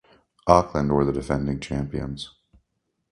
Auckland were the defending champions.